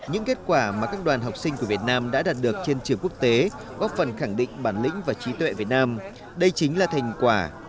những kết quả mà các đoàn học sinh của việt nam đã đạt được trên trường quốc tế góp phần khẳng định bản lĩnh và trí tuệ việt nam đây chính là thành quả